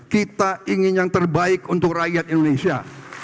kita ingin yang terbaik untuk rakyat indonesia